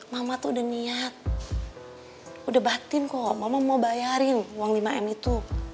mama tuh udah niat udah batin kok mama mau bayarin uang lima m itu